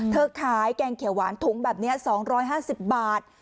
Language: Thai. เธอขายแกงเขียวหวานถุงแบบนี้๒๕๐บาท